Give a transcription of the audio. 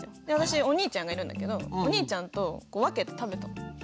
で私お兄ちゃんがいるんだけどお兄ちゃんと分けて食べたの。